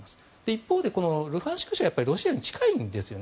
一方でルハンシク州はロシアに近いんですよ。